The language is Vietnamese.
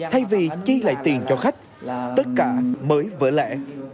thay vì chi lại tiền cho khách tất cả mới vỡ lẻ